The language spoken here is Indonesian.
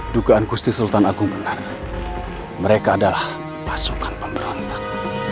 dugaan gusti sultan agung benar mereka adalah pasukan pemberontak